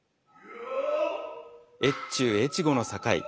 越中・越後の境。